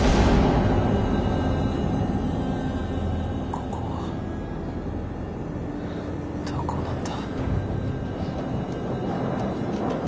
ここはどこなんだ